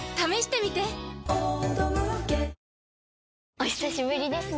お久しぶりですね。